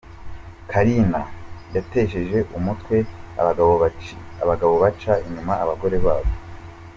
Karin yatesheje umutwe abagabo baca inyuma abagore babo.